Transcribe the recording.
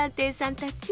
たち！